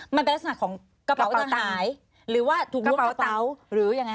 มันเป็นลักษณะของกระเป๋าจะตายหรือว่าถูกล้วงกระเป๋าหรือยังไง